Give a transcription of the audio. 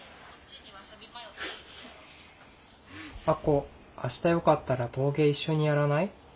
「あこ明日よかったら陶芸一緒にやらない？